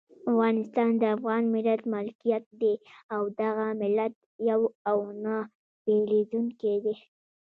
افغانستان د افغان ملت ملکیت دی او دغه ملت یو او نه بېلیدونکی دی.